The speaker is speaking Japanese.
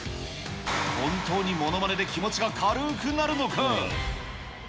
本当にものまねで気持ちが軽くなおい！